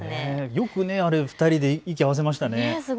よく２人で息、合わせましたね。